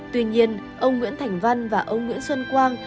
tuy nhiên ông nguyễn thành văn và ông nguyễn xuân quang